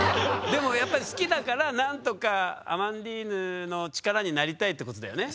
でもやっぱり好きだから何とかアマンディーヌの力になりたいってことだよね？